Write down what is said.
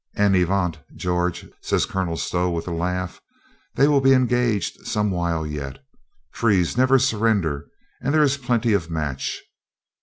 "En avant, George," says Colonel Stow with a laugh. "They will be engaged some while yet. Trees never sur render, and there is plenty of match."